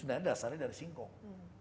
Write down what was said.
sebenarnya dasarnya dari singkong